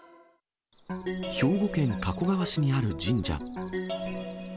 兵庫県加古川市にある神社。